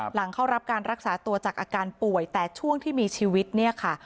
หลังเข้ารับการรักษาตัวจากอาการป่วยแต่ช่วงที่มีชีวิตเนี่ยค่ะ